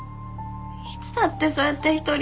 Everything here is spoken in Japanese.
いつだってそうやって一人。